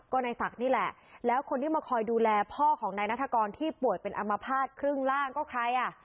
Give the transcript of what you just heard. ก็ในศักดิ์นี่แหละแล้วคนที่มาคอยดูแลพ่อของนายนัฐกรที่ป่วยเป็นอัมพาตครึ่งล่างก็ใครอ่ะ